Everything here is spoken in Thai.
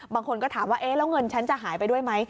บางคนก็ถามว่าเอ๊ะแล้วเงินฉันจะหายไปด้วยไหม